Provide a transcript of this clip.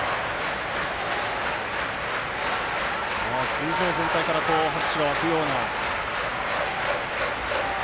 球場全体から拍手が沸くような。